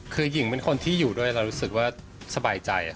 คือหญิงเป็นคนที่อยู่ด้วยเรารู้สึกว่าสบายใจ